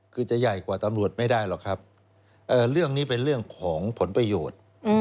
คือจะใหญ่กว่าตำรวจไม่ได้หรอกครับเรื่องนี้เป็นเรื่องของผลประโยชน์